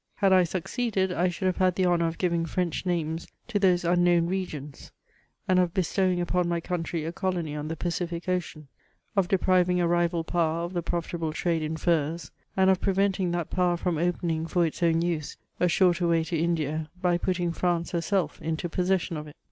Had I succeeded, I should have had the honour of giving French names to those unknown regions, and of bestowing ujpon my country a colony on the Pacific Ocean : of depriving a nval power of the profitable trade in furs, and of preventing that power from opening, for its own use, a shorter way to In£a, by putting France herself into possession of it.